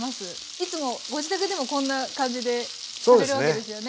いつもご自宅でもこんな感じでされるわけですよね。